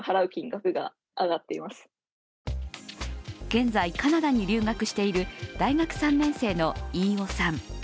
現在、カナダに留学している大学３年生の飯尾さん。